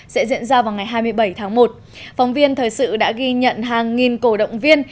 sẽ diễn ra vào ngày hai mươi bảy tháng một phóng viên thời sự đã ghi nhận hàng nghìn cổ động viên